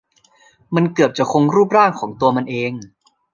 มันเกือบจะคงรูปร่างของตัวมันเอง